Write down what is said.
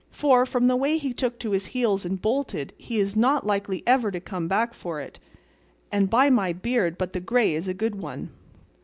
for, from the way he took to his heels and bolted, he is not likely ever to come back for it; and by my beard but the grey is a good one."